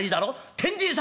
天神様！